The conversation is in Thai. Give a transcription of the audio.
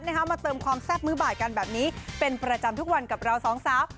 มาเติมความแซ่บมือบ่ายกันแบบนี้เป็นประจำทุกวันกับเราสองสาว